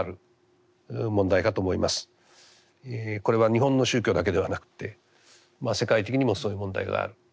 これは日本の宗教だけではなくて世界的にもそういう問題がある。